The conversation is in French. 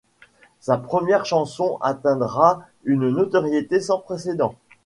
Sa première chanson atteindra une notoriété sans précèdent.